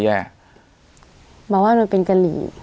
หมายถึงว่ามันเป็นกะหรี่